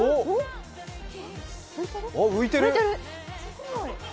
浮いてる！